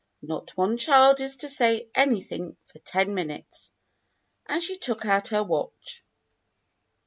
Not one child is to say anything for ten minutes"; and she took out her watch.